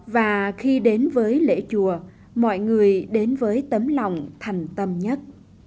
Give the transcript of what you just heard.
và khi đến với lễ chùa mọi người đến với tấm lòng thành tâm nhất